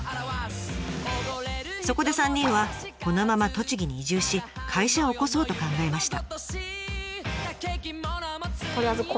そこで３人はこのまま栃木に移住し会社を興そうと考えました。